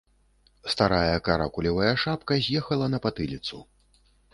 Старая каракулевая шапка з'ехала на патыліцу.